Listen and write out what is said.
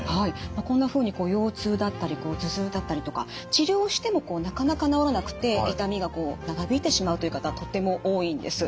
まあこんなふうに腰痛だったり頭痛だったりとか治療してもなかなか治らなくて痛みがこう長引いてしまうという方とても多いんです。